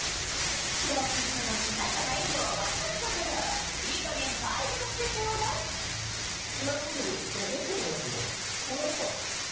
同級生同士仲がいいのは分かったからいい加減買い物してちょうだいちなみにですけどその奥のやつもこれもかな？